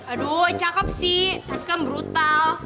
aduh cakep sih tapi kan brutal